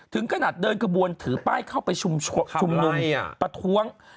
ถึงขนาดเดินกระบวนถือป้ายเข้าไปชุมนุมประท้วง